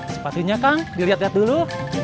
sepatunya kang dilihat lihat dulu